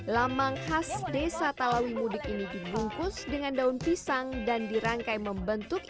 lambang khas desa talawi mudik ini digungkus dengan daun pisang dan dirangkai membentuknya